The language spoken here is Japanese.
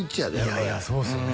いやいやそうですよね